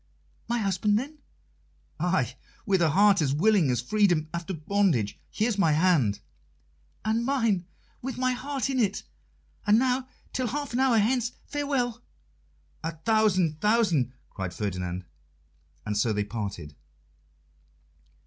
"My husband, then?" "Ay, with a heart as willing as freedom after bondage: here's my hand." "And mine, with my heart in it. And now, till half an hour hence, farewell!" "A thousand thousand!" cried Ferdinand; and so they parted.